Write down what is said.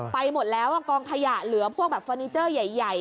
หมดแล้วกองขยะเหลือพวกแบบเฟอร์นิเจอร์ใหญ่